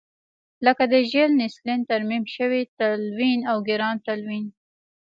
لکه د ژیل نیلسن ترمیم شوی تلوین او ګرام تلوین.